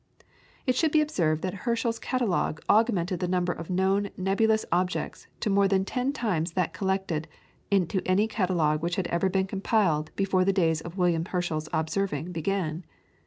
It should be observed that Herschel's catalogue augmented the number of known nebulous objects to more than ten times that collected into any catalogue which had ever been compiled before the days of William Herschel's observing began.